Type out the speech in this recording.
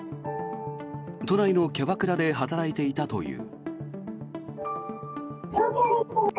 都内のキャバクラで働いていたという。